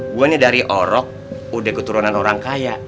gue nih dari orok udah keturunan orang kaya